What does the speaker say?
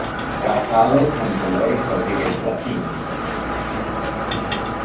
Casado con Dolores Rodríguez Joaquín.